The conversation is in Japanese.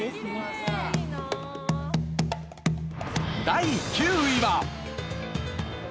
第９位は。